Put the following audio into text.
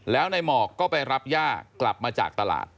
แล้วนายหมอกก็ไปรับย่ากลับมาจากตลาด